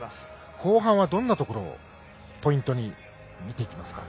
後半はどんなところをポイントに見ていきますか？